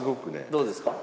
どうですか？